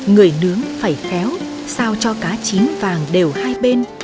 người nướng phải khéo sao cho cá chín vàng đều hai bên